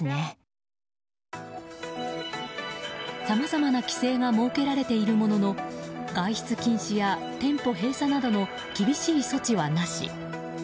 さまざまな規制が設けられているものの外出禁止や店舗閉鎖などの厳しい措置はなし。